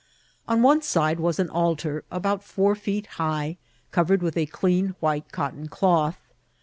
On one side was an altar, about four feet high, covered with a clean white ootton cloth.